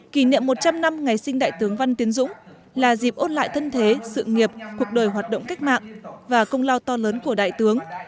kỷ niệm một trăm linh năm ngày sinh đại tướng văn tiến dũng là dịp ôn lại thân thế sự nghiệp cuộc đời hoạt động cách mạng và công lao to lớn của đại tướng